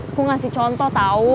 aku kasih contoh tau